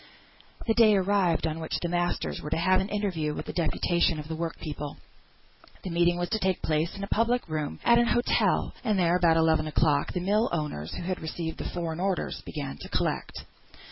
The day arrived on which the masters were to have an interview with a deputation of the work people. The meeting was to take place in a public room, at an hotel; and there, about eleven o'clock, the mill owners, who had received the foreign orders, began to collect.